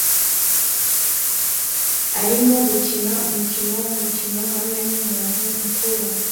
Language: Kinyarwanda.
arimo gukina umukino wumukino hamwe numuntu mukuru